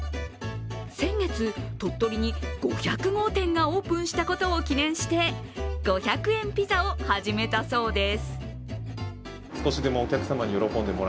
先月、鳥取に５００号店がオープンしたことを記念して５００円ピザを始めたそうです。